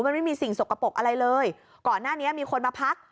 มันไม่มีสิ่งสกปรกอะไรเลยก่อนหน้านี้มีคนมาพัก